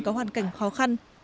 có hoàn cảnh khó khăn